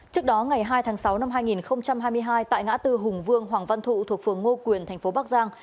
trước đó ngày hai tháng sáu năm hai nghìn hai mươi hai tại ngã tư hùng vương hoàng văn thụ thuộc phường ngô quyền thành phố bắc giang